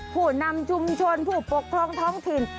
ผู้นำชุมชนผู้ปกครองท้องถิ่น